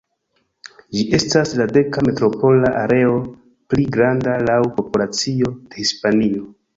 Ĝi estas la deka metropola areo pli granda laŭ populacio de Hispanio.